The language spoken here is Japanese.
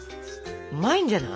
うまいんじゃない？